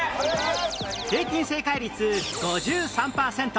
平均正解率５３パーセント